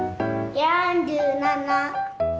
４７。